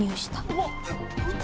うわっ！